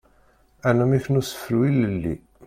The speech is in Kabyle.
Anamek n usefru ilelli.